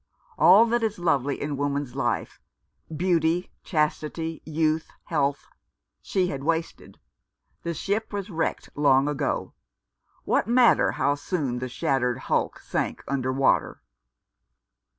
All that is lovely in woman's life — beauty, chastity, youth, health — she had wasted. The ship was wrecked long ago. What matter how soon the shattered hulk sank under water